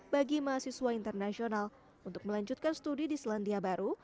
bagi mahasiswa internasional untuk melanjutkan studi di selandia baru